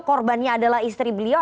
korbannya adalah istri beliau